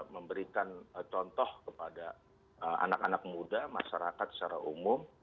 memberikan contoh kepada anak anak muda masyarakat secara umum